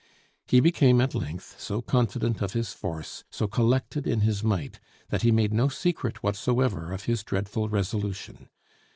He became at length so confident of his force, so collected in his might, that he made no secret whatsoever of his dreadful resolution.